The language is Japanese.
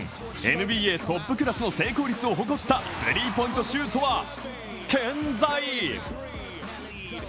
ＮＢＡトップクラスの成功率を誇ったスリーポイントシュートは健在。